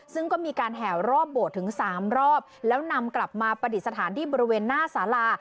ซึ่งก็มีการแห่รอบโบสถ์ถึงสามรอบแล้วนำกลับมาปฏิสถานที่บริเวณหน้าสาลา